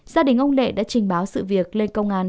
gia đình ông lệ đã trình báo sự việc lên công an